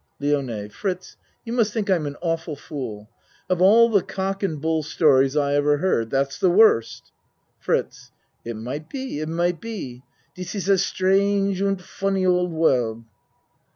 LIONE Fritz, you must think I'm an awful fool. Of all the cock and bull stories I ever heard that's the worst. FRITZ It might it might be. Dis iss a strange und funny old world.